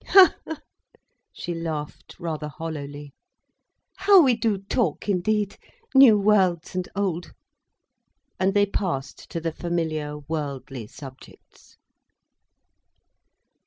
"Ha—ha!" she laughed, rather hollowly. "How we do talk indeed—new worlds and old—!" And they passed to the familiar worldly subjects.